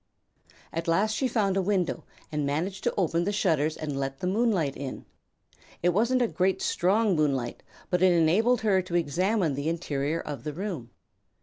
At last she found a window and managed to open the shutters and let the moonlight in. It wasn't a very strong moonlight but it enabled her to examine the interior of the room.